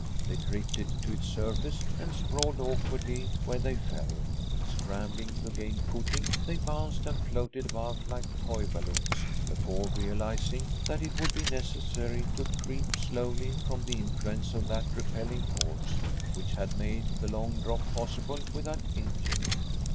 They drifted to its surface and sprawled awkwardly where they fell. Scrambling to gain a footing, they bounced and floated about like toy balloons before realizing that it would be necessary to creep slowly from the influence of that repelling force which had made the long drop possible without injury.